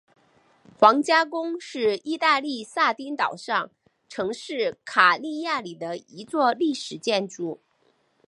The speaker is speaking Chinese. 皇家宫是义大利撒丁岛上城市卡利亚里的一座历史建筑。